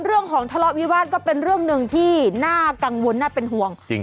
เรื่องของทะเลาะวิวัตก็เป็นเรื่องหนึ่งที่น่ากังวลน่าเป็นห่วง